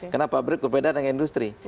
karena pabrik berbeda dengan industri